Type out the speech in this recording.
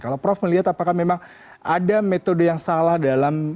kalau prof melihat apakah memang ada metode yang salah dalam